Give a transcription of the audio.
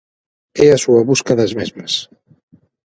E a súa busca das mesmas.